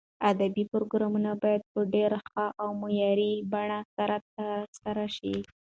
ادبي پروګرامونه باید په ډېر ښه او معیاري بڼه سره ترسره شي.